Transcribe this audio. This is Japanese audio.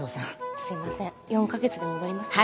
すいません４か月で戻りますので。